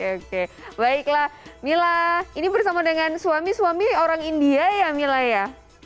oke baiklah mila ini bersama dengan suami suami orang india ya mila ya